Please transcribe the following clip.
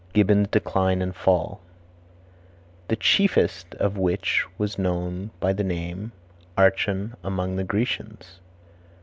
Gibbon's Decline and Fall. "The chiefest of which was known by the name of Archon among the Grecians."